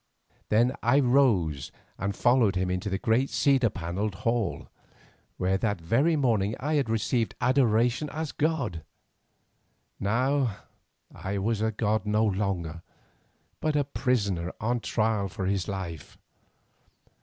Then I rose and followed him into the great cedar panelled hall, where that very morning I had received adoration as a god. Now I was a god no longer, but a prisoner on trial for his life.